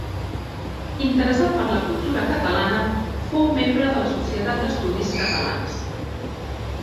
Interessat per la cultura catalana, fou membre de la Societat d'Estudis Catalans.